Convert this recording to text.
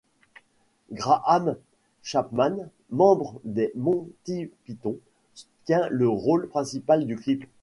Graham Chapman, membre des Monty Python, tient le rôle principal du clip.